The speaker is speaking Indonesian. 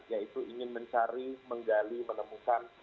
yaitu ingin mencari menggali menemukan